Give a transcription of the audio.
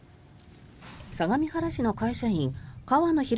相模原市の会社員河野浩